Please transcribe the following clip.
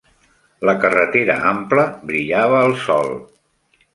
La carretera ampla brillava al sol.